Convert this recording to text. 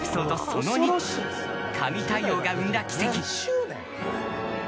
その２神対応が生んだ奇跡。